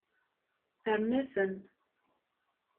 Terna-ten.